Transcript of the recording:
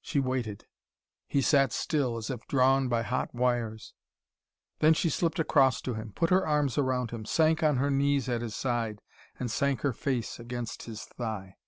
She waited. He sat still, as if drawn by hot wires. Then she slipped across to him, put her arms round him, sank on her knees at his side, and sank her face against his thigh.